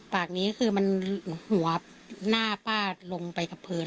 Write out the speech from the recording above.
ปากนี้คือมันหัวหน้าป้าลงไปกับพื้น